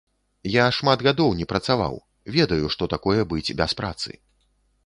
Я шмат гадоў не працаваў, ведаю, што такое быць без працы.